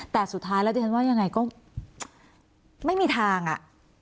แต่สุดท้ายแล้วดิฉันว่ายังไงก็ไม่มีทางอ่ะ